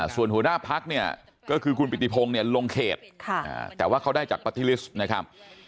ส่วนหัวหน้าพักเนี่ยก็คือคุณปิติพงศ์เนี่ยลงเขตแต่ว่าเขาได้จากปาร์ตี้ลิสต์นะครับ